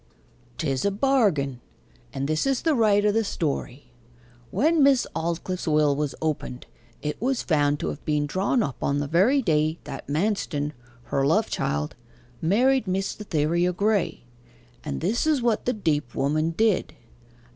''Tis a bargain; and this is the right o' the story. When Miss Aldclyffe's will was opened, it was found to have been drawn up on the very day that Manston (her love child) married Miss Cytherea Graye. And this is what that deep woman did.